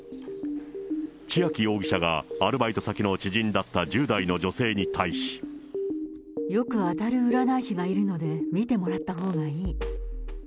千秋容疑者がアルバイト先の知人だった１０代の女性に対し。よく当たる占い師がいるので見てもらったほうがいい。